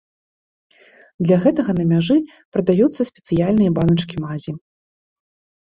Для гэтага на мяжы прадаюцца спецыяльныя баначкі мазі.